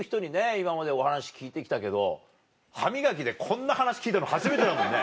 今までお話聞いて来たけど歯磨きでこんな話聞いたの初めてだもんね。